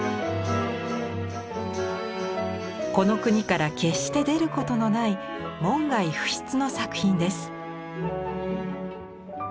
この国から決して出ることのない門外不出の作品です。